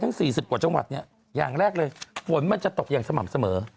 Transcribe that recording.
๔๐กว่าจังหวัดเนี่ยอย่างแรกเลยฝนมันจะตกอย่างสม่ำเสมอ